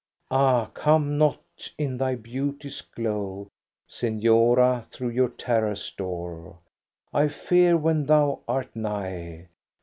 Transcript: " Ah, come not in thy beauty's glow, Sefiora, through yon terrace door ; I fear when thou art nigh